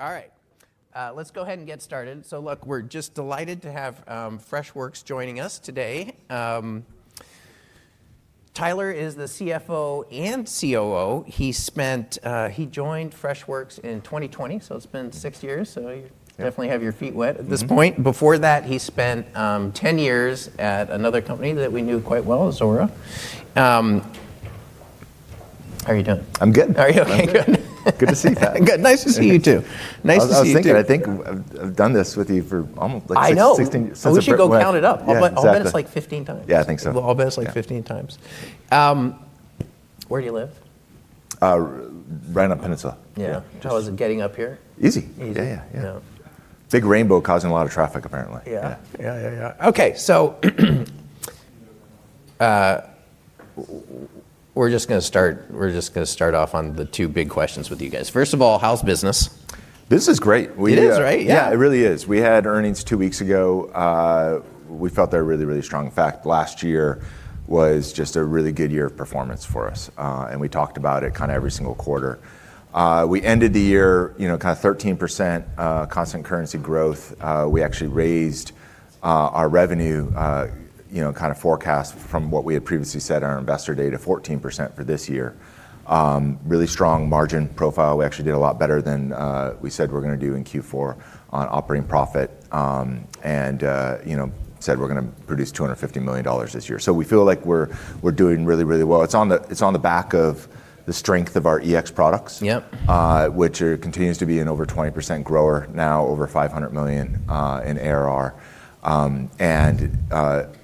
All right. let's go ahead and get started. Look, we're just delighted to have Freshworks joining us today. Tyler is the CFO and COO. He joined Freshworks in 2020, so it's been six years. Yeah... definitely have your feet wet at this point. Mm-hmm. Before that, he spent, 10 years at another company that we knew quite well, Zuora. How are you doing? I'm good. Are you okay? Good. Good to see you, Pat. Good. Nice to see you, too. Nice to see you, too. I was thinking, I think I've done this with you for almost like six... I know.... 16, since I've been We should go count it up. Yeah, exactly. I'll bet it's like 15 times. Yeah, I think so. I'll bet it's like 15 times. Where do you live? Rye Neck Peninsula. Yeah. Just- How was it getting up here? Easy. Easy. Yeah, yeah. Yeah. Big rainbow causing a lot of traffic, apparently. Yeah. Yeah. Yeah. Okay. We're just gonna start off on the two big questions with you guys. First of all, how's business? Business is great. We, It is, right? Yeah. Yeah, it really is. We had earnings 2 weeks ago. We felt they were really, really strong. In fact, last year was just a really good year of performance for us. We talked about it kinda every single quarter. We ended the year, you know, kinda 13% constant currency growth. We actually raised our revenue, you know, kinda forecast from what we had previously said at our investor day to 14% for this year. Really strong margin profile. We actually did a lot better than we said we're gonna do in Q4 on operating profit. You know, said we're gonna produce $250 million this year. We feel like we're doing really, really well. It's on the back of the strength of our EX products- Yep... which are, continues to be an over 20% grower, now over $500 million in ARR.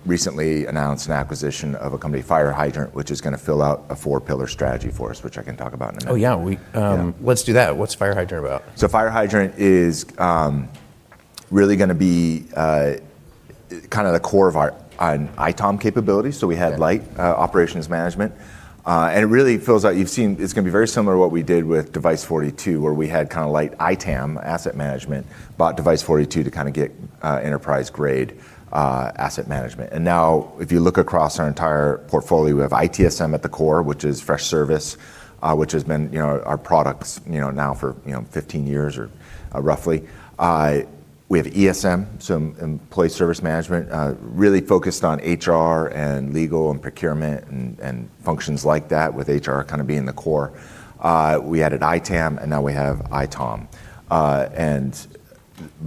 Recently announced an acquisition of a company, FireHydrant, which is gonna fill out a 4-pillar strategy for us, which I can talk about in a minute. Oh, yeah. We. Yeah. Let's do that. What's FireHydrant about? FireHydrant is really gonna be kinda the core of our, an ITOM capability. Yeah. We had light operations management. It really fills out. You've seen, it's gonna be very similar to what we did with Device42, where we had kinda light ITAM asset management, bought Device42 to kinda get enterprise-grade asset management. Now, if you look across our entire portfolio, we have ITSM at the core, which is Freshservice, which has been, you know, our products, you know, now for, you know, 15 years or roughly. We have ESM, so employee service management, really focused on HR and legal and procurement and functions like that, with HR kinda being the core. We added ITAM, and now we have ITOM.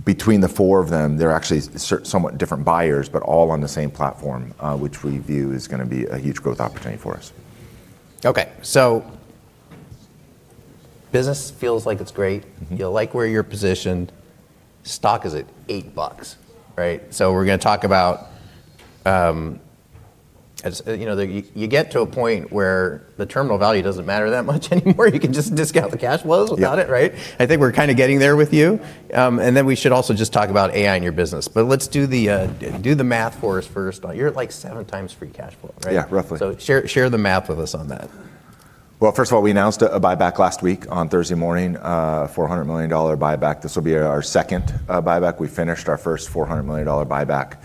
Between the four of them, they're actually somewhat different buyers, but all on the same platform, which we view is gonna be a huge growth opportunity for us. Okay. Business feels like it's great. Mm-hmm. You like where you're positioned. Stock is at $8, right? We're gonna talk about, you know, You get to a point where the terminal value doesn't matter that much anymore. You can just discount the cash flows without it, right? Yeah. I think we're kinda getting there with you. Then we should also just talk about AI in your business. Let's do the math for us first. You're at, like, 7 times free cash flow, right? Yeah, roughly. Share the math with us on that. Well, first of all, we announced a buyback last week on Thursday morning, $400 million buyback. This will be our second buyback. We finished our first $400 million buyback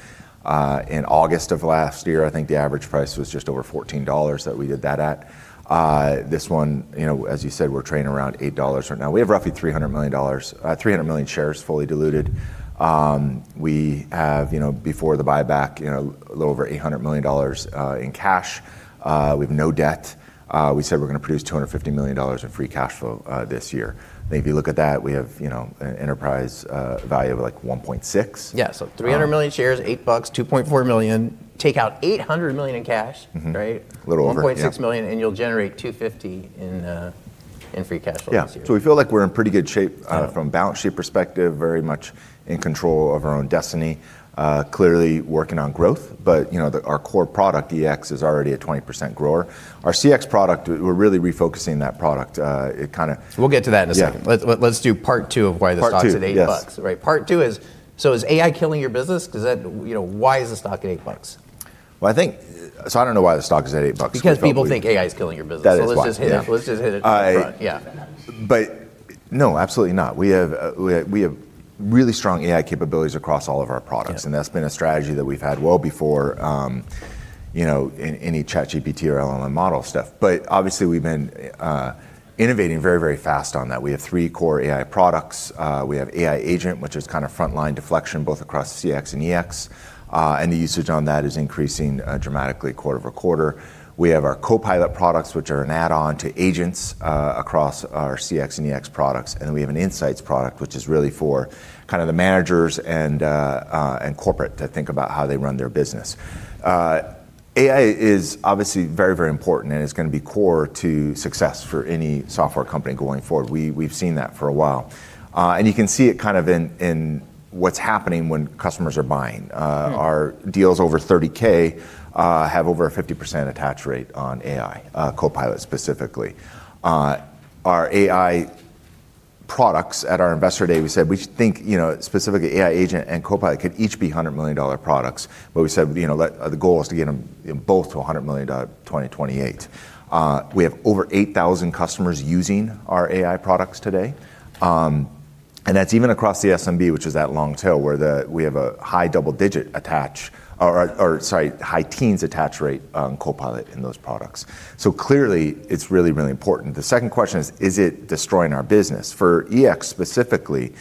in August of last year. I think the average price was just over $14 that we did that at. This one, you know, as you said, we're trading around $8 right now. We have roughly $300 million, 300 million shares fully diluted. We have, you know, before the buyback, you know, a little over $800 million in cash. We have no debt. We said we're gonna produce $250 million in free cash flow this year. If you look at that, we have, you know, an enterprise value of like $1.6 billion. Um- Yeah, 300 million shares, $8, $2.4 million. Take out $800 million in cash. Mm-hmm. Right? Little over, yeah. $1.6 million, and you'll generate $250 in free cash flow this year. Yeah. We feel like we're in pretty good shape from a balance sheet perspective, very much in control of our own destiny. Clearly working on growth. You know, our core product, EX, is already a 20% grower. Our CX product, we're really refocusing that product. it kinda. We'll get to that in a second. Yeah. Let's do part 2 of why the stock's at $8. Part two, yes. Right. Part 2 is AI killing your business? You know, why is the stock at $8? I think I don't know why the stock is at $8, but probably- People think AI is killing your business. That is why. Yeah. Let's just hit it. Let's just hit it up front. I- Yeah. No, absolutely not. We have really strong AI capabilities across all of our products. Yeah. That's been a strategy that we've had well before, you know, any ChatGPT or LLM model stuff. Obviously, we've been innovating very, very fast on that. We have three core AI products. We have AI Agent, which is kinda frontline deflection, both across CX and EX. The usage on that is increasing dramatically quarter-over-quarter. We have our Copilot products, which are an add-on to agents across our CX and EX products. We have an Insights product, which is really for kinda the managers and corporate to think about how they run their business. AI is obviously very, very important, it's gonna be core to success for any software company going forward. We've seen that for a while. You can see it kind of in what's happening when customers are buying. Hmm... our deals over 30K have over a 50% attach rate on AI, Copilot specifically. Our AI products, at our investor day, we said we think, you know, specifically AI Agent and Copilot could each be $100 million products. We said, you know, the goal is to get them both to $100 million by 2028. We have over 8,000 customers using our AI products today. That's even across the SMB, which is that long tail where we have a high double-digit attach or sorry, high-teens attach rate on Copilot in those products. Clearly, it's really important. The second question is it destroying our business? For EX specifically,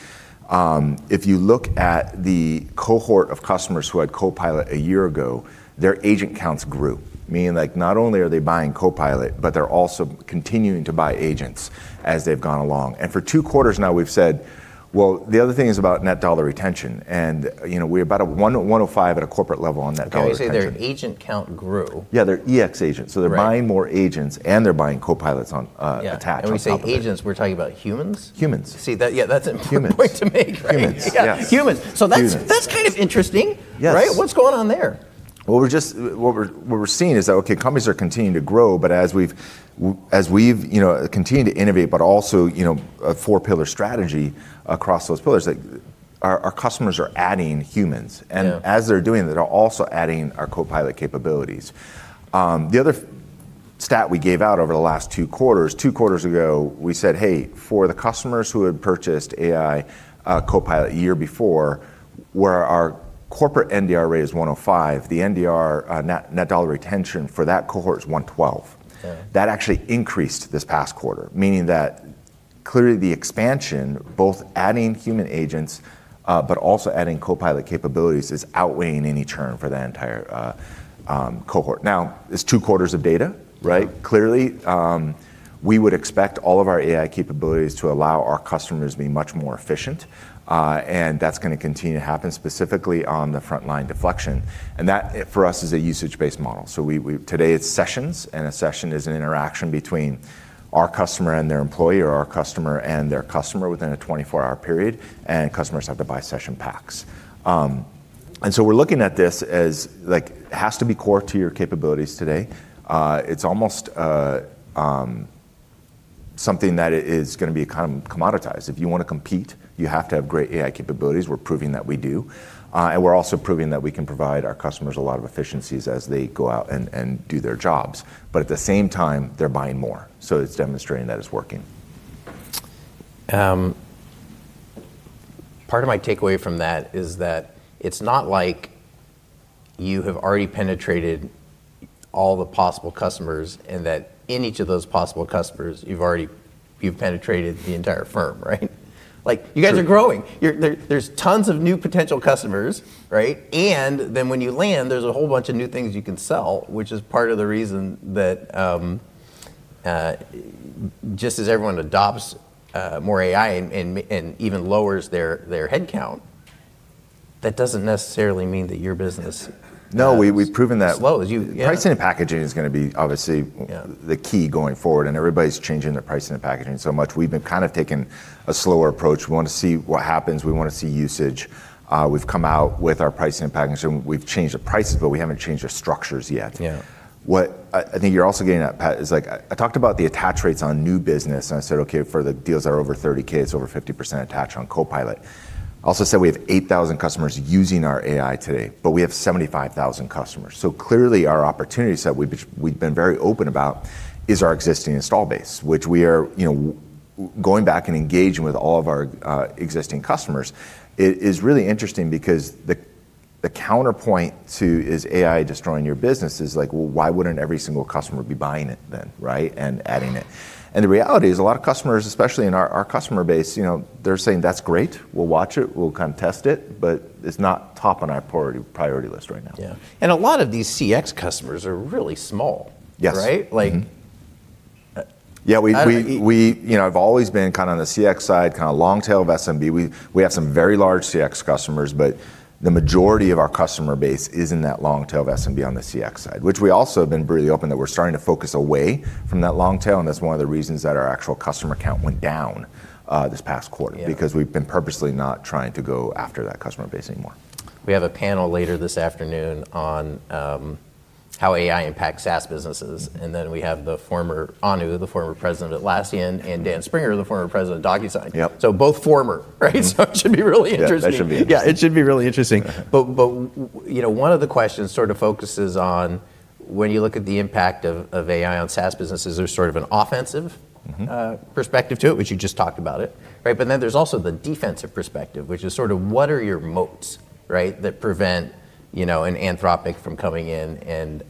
if you look at the cohort of customers who had Copilot 1 year ago, their agent counts grew, meaning like not only are they buying Copilot, but they're also continuing to buy agents as they've gone along. For two quarters now we've said. Well, the other thing is about net dollar retention, and, you know, we're about 105 at a corporate level on net dollar retention. Okay. You say their agent count grew. Yeah, their EX agents. Right. They're buying more agents and they're buying Copilots on, attached on top of it. Yeah. We say agents, we're talking about humans? Humans. See that, yeah, that's. Humans... important point to make. Humans. Yes. Yeah. Humans. Humans. That's kind of interesting. Yes. Right? What's going on there? Well, what we're seeing is that, okay, companies are continuing to grow, but as we've, you know, continued to innovate but also, you know, a four-pillar strategy across those pillars, like our customers are adding humans. Yeah. As they're doing that, they're also adding our Copilot capabilities. The other stat we gave out over the last 2 quarters, 2 quarters ago, we said, "Hey, for the customers who had purchased AI, Copilot a year before, where our corporate NDR rate is 105, the NDR, net dollar retention for that cohort is 112. Yeah. That actually increased this past quarter, meaning that clearly the expansion, both adding human agents, but also adding Copilot capabilities is outweighing any churn for that entire cohort. Now, it's two quarters of data, right? Yeah. Clearly, we would expect all of our AI capabilities to allow our customers be much more efficient. That's gonna continue to happen specifically on the frontline deflection. That for us is a usage-based model. We today it's sessions, and a session is an interaction between our customer and their employee or our customer and their customer within a 24-hour period, and customers have to buy session packs. We're looking at this as like it has to be core to your capabilities today. It's almost something that is gonna be kind of commoditized. If you wanna compete, you have to have great AI capabilities. We're proving that we do. We're also proving that we can provide our customers a lot of efficiencies as they go out and do their jobs. At the same time, they're buying more, so it's demonstrating that it's working. Part of my takeaway from that is that it's not like you have already penetrated all the possible customers, and that in each of those possible customers, you've penetrated the entire firm, right? Like you guys are growing. Sure. You're There's tons of new potential customers, right? When you land, there's a whole bunch of new things you can sell, which is part of the reason that just as everyone adopts more AI and even lowers their headcount, that doesn't necessarily mean that your business- No We've proven that. slows. Yeah... pricing and packaging is gonna be. Yeah the key going forward, and everybody's changing their pricing and packaging so much. We've been kind of taking a slower approach. We wanna see what happens. We wanna see usage. We've come out with our pricing and packaging. We've changed the prices, but we haven't changed our structures yet. Yeah. What I think you're also getting at, Pat, is like I talked about the attach rates on new business. I said, "Okay, for the deals that are over $30,000, it's over 50% attach on Copilot." I also said we have 8,000 customers using our AI today, but we have 75,000 customers. Clearly our opportunity set, which we've been very open about, is our existing install base, which we are, you know, going back and engaging with all of our existing customers. It is really interesting because the counterpoint to is AI destroying your business is like, well, why wouldn't every single customer be buying it then, right, and adding it? The reality is a lot of customers, especially in our customer base, you know, they're saying, "That's great. We'll watch it. We'll come test it, but it's not top on our priority list right now. Yeah. A lot of these CX customers are really small- Yes right? Mm-hmm. Like. Yeah. I don't- We, you know, have always been kind of on the CX side, kinda long tail of SMB. We have some very large CX customers, but the majority of our customer base is in that long tail of SMB on the CX side, which we also have been really open that we're starting to focus away from that long tail, and that's one of the reasons that our actual customer count went down this past quarter. Yeah... because we've been purposely not trying to go after that customer base anymore. We have a panel later this afternoon on how AI impacts SaaS businesses, we have Anu, the former president of Atlassian, and Dan Springer, the former president of DocuSign. Yep. Both former, right? Mm-hmm. It should be really interesting. Yeah. That should be interesting. Yeah, it should be really interesting. Uh-huh. You know, one of the questions sort of focuses on when you look at the impact of AI on SaaS businesses, there's sort of an offensive Mm-hmm... perspective to it, which you just talked about it, right? There's also the defensive perspective, which is sort of what are your moats, right, that prevent, you know, an Anthropic from coming in. Destroying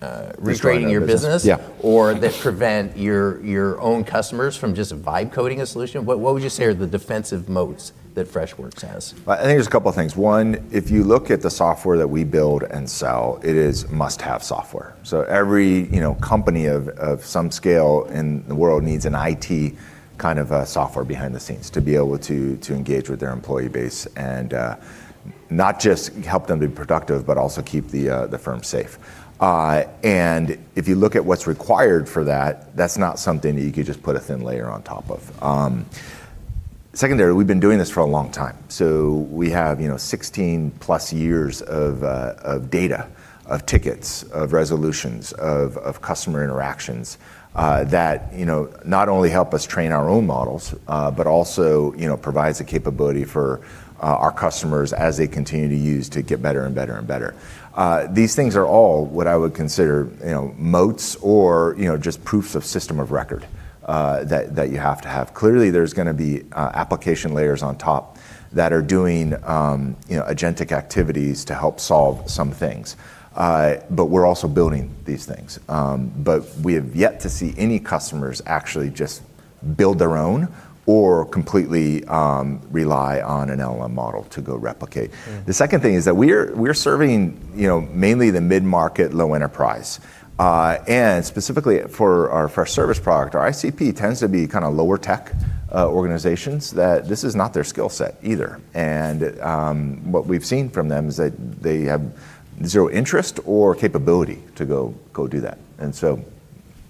the business.... retraining your Yeah... or that prevent your own customers from just vibe coding a solution. What would you say are the defensive moats that Freshworks has? I think there's a couple things. One, if you look at the software that we build and sell, it is must-have software. Every, you know, company of some scale in the world needs an IT kind of a software behind the scenes to be able to engage with their employee base and not just help them be productive, but also keep the firm safe. If you look at what's required for that's not something that you could just put a thin layer on top of. Secondary, we've been doing this for a long time, so we have, you know, 16+ years of data, of tickets, of resolutions, of customer interactions, that, you know, not only help us train our own models, but also, you know, provides the capability for our customers as they continue to use to get better and better and better. These things are all what I would consider, you know, moats or, you know, just proofs of system of record that you have to have. Clearly, there's gonna be application layers on top that are doing, you know, agentic activities to help solve some things. We're also building these things. We have yet to see any customers actually just build their own or completely rely on an LLM model to go replicate. Mm. The second thing is that we're serving, you know, mainly the mid-market, low enterprise. Specifically for our Freshservice product, our ICP tends to be kinda lower tech organizations, that this is not their skill set either. What we've seen from them is that they have 0 interest or capability to go do that.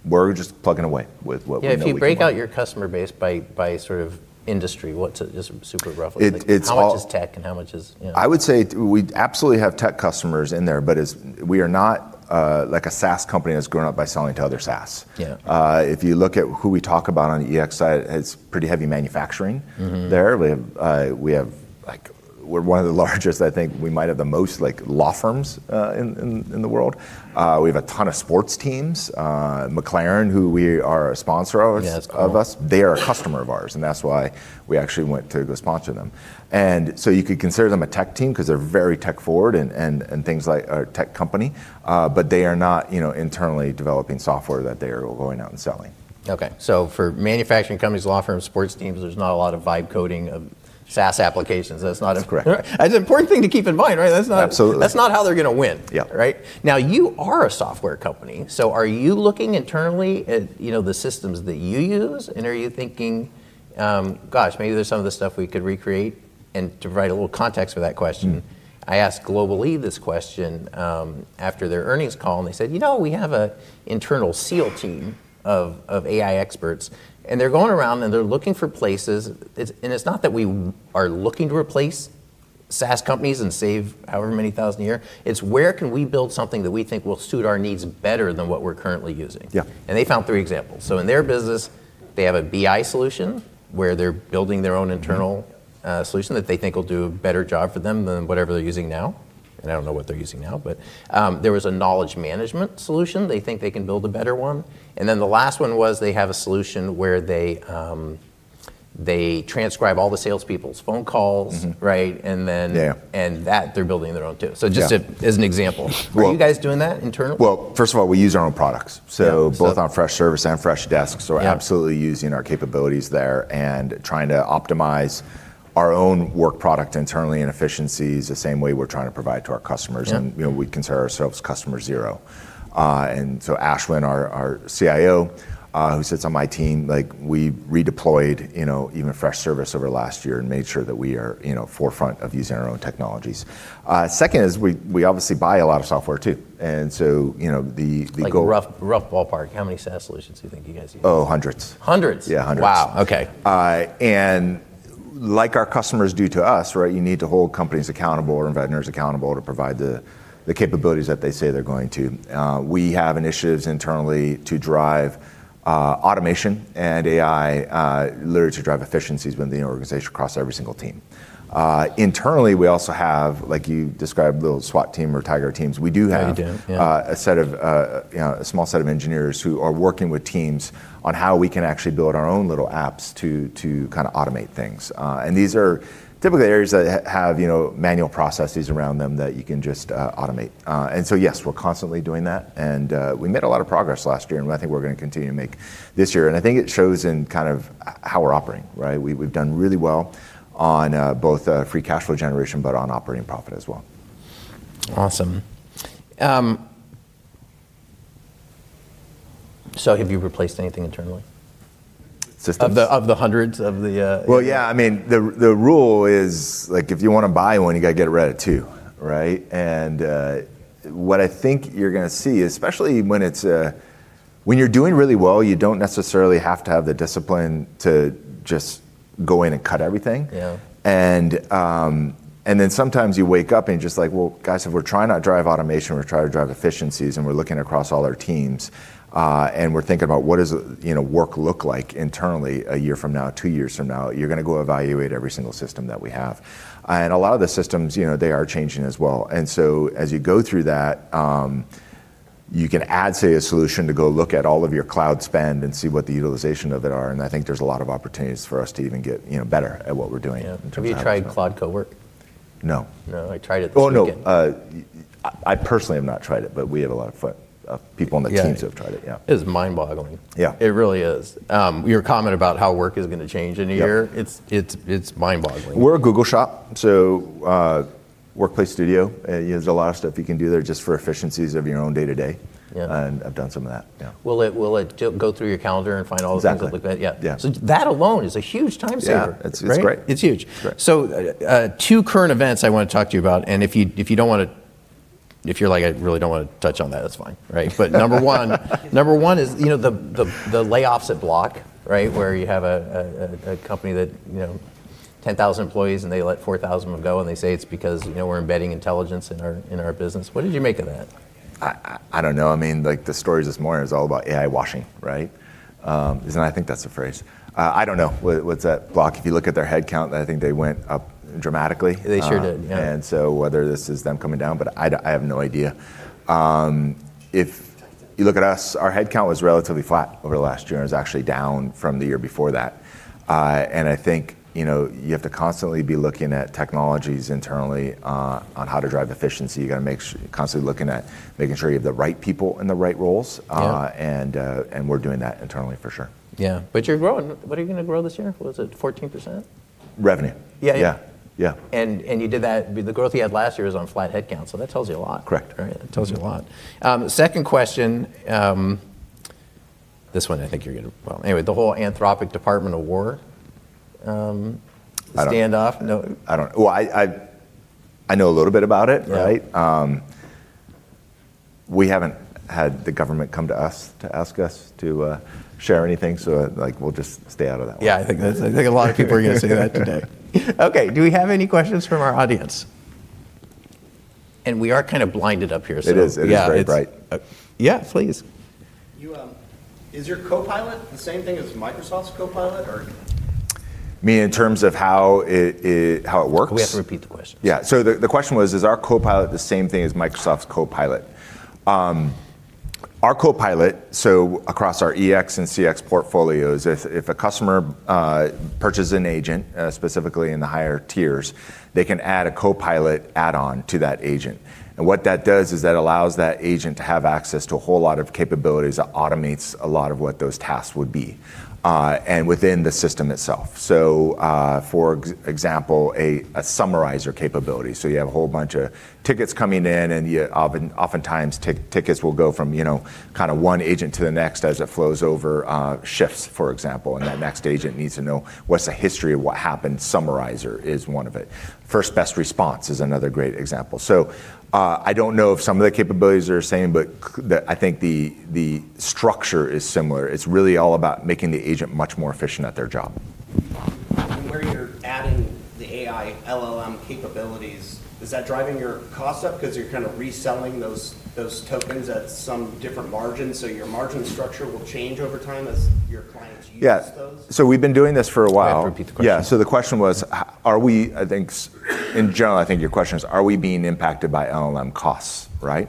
We're just plugging away with what we know we can provide. Yeah, if you break out your customer base by sort of industry, what's it just super roughly- It's. Like how much is tech and how much is, you know? I would say we absolutely have tech customers in there, but as... We are not like a SaaS company that's grown up by selling to other SaaS. Yeah. If you look at who we talk about on the EX side, it's pretty heavy manufacturing... Mm-hmm... there. We have. We're one of the largest, I think, we might have the most, like, law firms in the world. We have a ton of sports teams. McLaren, who we are a sponsor of- Yeah. It's cool us, they are a customer of ours, and that's why we actually went to go sponsor them. You could consider them a tech team 'cause they're very tech forward Or a tech company. They are not, you know, internally developing software that they are going out and selling. For manufacturing companies, law firms, sports teams, there's not a lot of vibe coding of SaaS applications. Correct. That's an important thing to keep in mind, right? Absolutely. That's not how they're gonna win. Yeah. Right? You are a software company, so are you looking internally at, you know, the systems that you use? Are you thinking, "Gosh, maybe there's some of this stuff we could recreate"? To provide a little context for that question. Mm I asked Global-e this question, after their earnings call, and they said, "You know, we have a internal SEAL team of AI experts, and they're going around and they're looking for places. It's not that we are looking to replace SaaS companies and save however many $ thousand a year. It's where can we build something that we think will suit our needs better than what we're currently using? Yeah. They found 3 examples. In their business, they have a BI solution, where they're building their own internal-. Mm-hmm... solution that they think will do a better job for them than whatever they're using now. I don't know what they're using now. There was a knowledge management solution they think they can build a better one. The last one was they have a solution where they transcribe all the salespeople's phone calls. Mm-hmm. Right? Then. Yeah That they're building their own too. Yeah. just as an example. Well- Are you guys doing that internally? Well, first of all, we use our own products. Yeah. both on Freshservice and Freshdesk. Yeah We're absolutely using our capabilities there and trying to optimize our own work product internally and efficiencies the same way we're trying to provide to our customers. Yeah. You know, we'd consider ourselves customer zero. Ashwin, our CIO, who sits on my team, like we redeployed, you know, even Freshservice over the last year and made sure that we are, you know, forefront of using our own technologies. Second is we obviously buy a lot of software too. You know. Like rough ballpark, how many SaaS solutions do you think you guys use? Oh, hundreds. Hundreds? Yeah, hundreds. Wow. Okay. Like our customers do to us, right, you need to hold companies accountable or vendors accountable to provide the capabilities that they say they're going to. We have initiatives internally to drive automation and AI, literally to drive efficiencies within the organization across every single team. Internally, we also have, like you described, little SWAT team or Tiger teams. Yeah, we do. Yeah a set of, you know, a small set of engineers who are working with teams on how we can actually build our own little apps to kinda automate things. These are typically areas that have, you know, manual processes around them that you can just automate. Yes, we're constantly doing that. We made a lot of progress last year, and I think we're gonna continue to make this year. I think it shows in kind of how we're operating, right? We, we've done really well on, both, free cash flow generation, but on operating profit as well. Awesome. Have you replaced anything internally? Systems? Of the hundreds, of the, you know. Well, yeah, I mean, the rule is, like, if you wanna buy one, you gotta get ready to, right? What I think you're gonna see, especially when it's, When you're doing really well, you don't necessarily have to have the discipline to just go in and cut everything. Yeah. Then sometimes you wake up and you're just like, "Well, guys, if we're trying to drive automation, we're trying to drive efficiencies, and we're looking across all our teams, and we're thinking about what does, you know, work look like internally a year from now, two years from now, you're gonna go evaluate every single system that we have." A lot of the systems, you know, they are changing as well. As you go through that, you can add, say, a solution to go look at all of your cloud spend and see what the utilization of it are, and I think there's a lot of opportunities for us to even get, you know, better at what we're doing. Yeah... in terms of how it's done. Have you tried Claude Cowork? No. No. I tried it this weekend. Oh, no. I personally have not tried it, but we have a lot of people on the teams- Yeah who have tried it. Yeah. It is mind-boggling. Yeah. It really is. your comment about how work is gonna change in a year- Yeah it's mind-boggling. We're a Google shop, so, Workplace Studio, you know, there's a lot of stuff you can do there just for efficiencies of your own day-to-day. Yeah. I've done some of that. Yeah. Will it go through your calendar and find all the things like that? Exactly. Yeah. Yeah. That alone is a huge time saver. Yeah. It's great. Right? It's huge. It's great. Two current events I wanna talk to you about, and if you don't wanna... If you're like, "I really don't wanna touch on that," that's fine, right? Number one is, you know, the layoffs at Block, right? Where you have a company that, you know, 10,000 employees and they let 4,000 of them go and they say it's because, you know, we're embedding intelligence in our business. What did you make of that? I don't know. I mean, like, the stories this morning was all about AI washing, right? Isn't that? I think that's the phrase. I don't know. With that Block, if you look at their head count, I think they went up dramatically. They sure did. Yeah. Whether this is them coming down, but I have no idea. If you look at us, our head count was relatively flat over the last year, it was actually down from the year before that. I think, you know, you have to constantly be looking at technologies internally, on how to drive efficiency. You gotta constantly looking at making sure you have the right people in the right roles. Yeah. We're doing that internally, for sure. Yeah. You're growing. What are you gonna grow this year? What is it, 14%? Revenue Yeah, yeah. Yeah. You did that, the growth you had last year was on flat head count. That tells you a lot. Correct. Right. It tells you a lot. second question. Well, anyway, the whole Anthropic department of war. I don't- standoff. No? I don't... Well, I know a little bit about it, right? Yeah. We haven't had the government come to us to ask us to share anything, like, we'll just stay out of that one. Yeah, I think that's... I think a lot of people are gonna say that today. Okay. Do we have any questions from our audience? We are kind of blinded up here. It is. Yeah, it's. It is very bright. Yeah, please. You, is your Copilot the same thing as Microsoft's Copilot, or? Meaning in terms of how it works? We have to repeat the question. The question was, is our Copilot the same thing as Microsoft's Copilot? Our Copilot, across our EX and CX portfolios, if a customer purchases an agent, specifically in the higher tiers, they can add a Copilot add-on to that agent. What that does is that allows that agent to have access to a whole lot of capabilities. It automates a lot of what those tasks would be within the system itself. For example, a summarizer capability. You have a whole bunch of tickets coming in and you oftentimes tickets will go from, you know, kinda one agent to the next as it flows over shifts, for example. That next agent needs to know what's the history of what happened. Summarizer is one of it. First best response is another great example. I don't know if some of the capabilities are the same, but I think the structure is similar. It's really all about making the agent much more efficient at their job. Where you're adding the AI LLM capabilities, is that driving your costs up 'cause you're kinda reselling those tokens at some different margin, so your margin structure will change over time as your clients use those? Yeah. We've been doing this for a while. You have to repeat the question. The question was, in general, I think your question is, are we being impacted by LLM costs, right?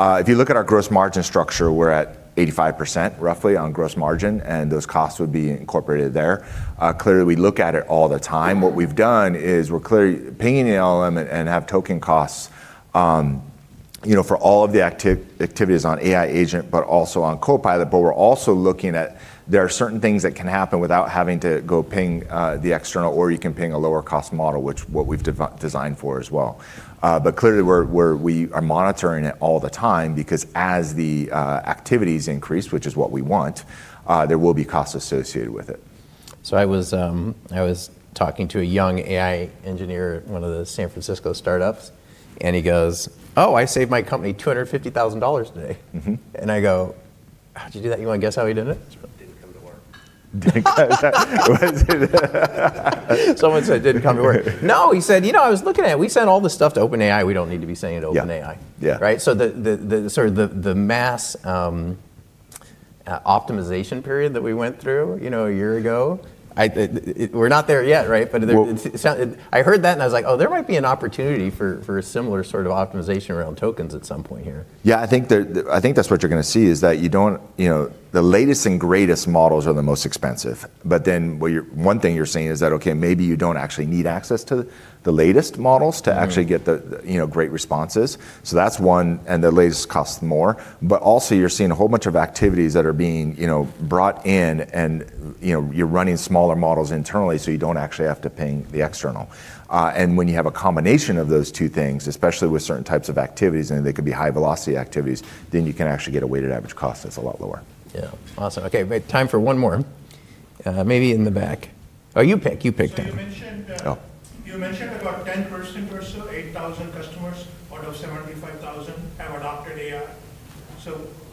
If you look at our gross margin structure, we're at 85% roughly on gross margin, and those costs would be incorporated there. Clearly we look at it all the time. What we've done is we're clearly paying an LLM and have token costs, you know, for all of the activities on AI agent, but also on Copilot. We're also looking at there are certain things that can happen without having to go ping the external, or you can ping a lower cost model, which what we've designed for as well. Clearly we are monitoring it all the time because as the activities increase, which is what we want, there will be costs associated with it. I was talking to a young AI engineer at one of the San Francisco startups, and he goes, "Oh, I saved my company $250,000 today. Mm-hmm. I go, "How'd you do that?" You wanna guess how he did it? Didn't come to work. Was it? Someone said didn't come to work. No, he said, "You know, I was looking at it. We send all this stuff to OpenAI. We don't need to be sending it to OpenAI. Yeah, yeah. Right? The, the sort of the mass optimization period that we went through, you know, a year ago, We're not there yet, right? There. Well- I heard that and I was like, "Oh, there might be an opportunity for a similar sort of optimization around tokens at some point here. Yeah. I think there, I think that's what you're gonna see is that. You know, the latest and greatest models are the most expensive. One thing you're saying is that, okay, maybe you don't actually need access to the latest models. Mm... to actually get the, you know, great responses. That's one. The latest costs more. Also you're seeing a whole bunch of activities that are being, you know, brought in and, you know, you're running smaller models internally, so you don't actually have to ping the external. When you have a combination of those two things, especially with certain types of activities, and they could be high velocity activities, you can actually get a weighted average cost that's a lot lower. Yeah. Awesome. Okay. We have time for one more. maybe in the back. Oh, you pick. You picked, so- You mentioned. Oh. You mentioned about 10% or so, 8,000 customers out of 75,000 have adopted AI.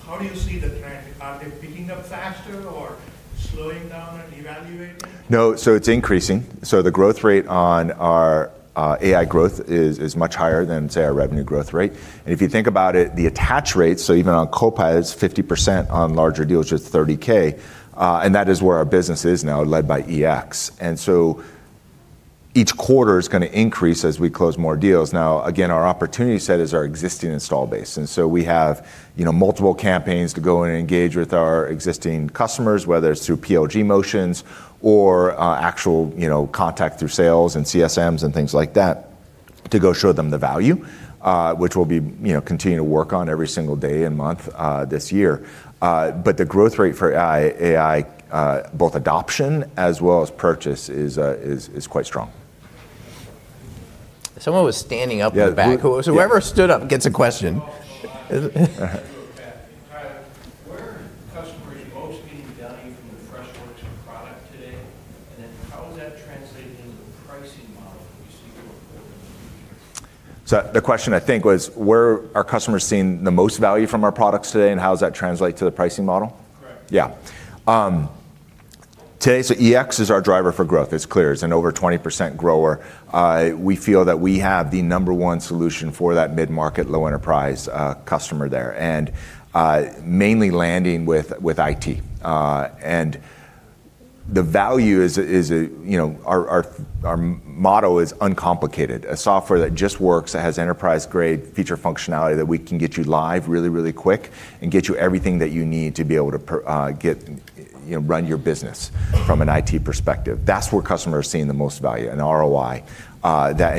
How do you see the trend? Are they picking up faster or slowing down and evaluating? No. It's increasing. The growth rate on our AI growth is much higher than, say, our revenue growth rate. If you think about it, the attach rate, even on Copilot, it's 50% on larger deals, which is $30,000. That is where our business is now, led by EX. Each quarter is gonna increase as we close more deals. Now, again, our opportunity set is our existing install base, we have, you know, multiple campaigns to go in and engage with our existing customers, whether it's through PLG motions or actual, you know, contact through sales and CSMs and things like that, to go show them the value, which we'll be, you know, continuing to work on every single day and month this year. The growth rate for AI, both adoption as well as purchase is quite strong. Someone was standing up in the back. Yeah. Who? Yeah. Whoever stood up gets a question. Oh, hold on. All right. I'll give you a pass. Tyler, where are customers most seeing value from the Freshworks product today? How is that translating into the pricing model that you see going forward into the future? The question I think was, where are customers seeing the most value from our products today, and how does that translate to the pricing model? Correct. Yeah. Today, EX is our driver for growth. It's clear. It's an over 20% grower. We feel that we have the number one solution for that mid-market, low enterprise, customer there, and mainly landing with IT. The value is, you know, our motto is uncomplicated. A software that just works, that has enterprise-grade feature functionality that we can get you live really, really quick and get you everything that you need to be able to get, you know, run your business from an IT perspective. That's where customers are seeing the most value and ROI.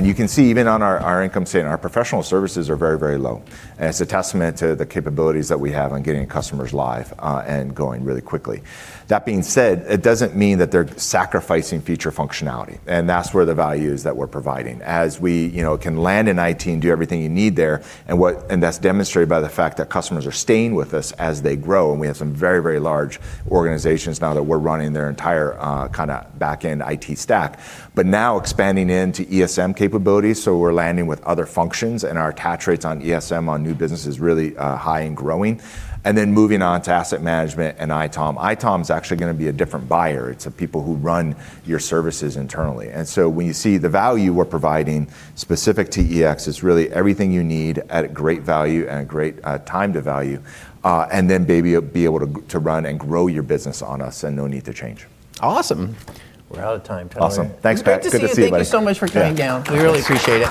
You can see even on our income statement, our professional services are very, very low. It's a testament to the capabilities that we have on getting customers live and going really quickly. That being said, it doesn't mean that they're sacrificing feature functionality, and that's where the value is that we're providing. As we, you know, can land in IT and do everything you need there. That's demonstrated by the fact that customers are staying with us as they grow. We have some very, very large organizations now that we're running their entire, kinda back-end IT stack. Now expanding into ESM capabilities, so we're landing with other functions and our attach rates on ESM on new business is really high and growing. Then moving on to asset management and ITOM. ITOM's actually gonna be a different buyer. It's the people who run your services internally. when you see the value we're providing specific to EX, it's really everything you need at a great value and a great time to value, and then maybe be able to run and grow your business on us and no need to change. Awesome. We're out of time, Tyler. Awesome. Thanks, guys. Good to see you. Good to see you, buddy. Thank you so much for coming down. Yeah. We really appreciate it.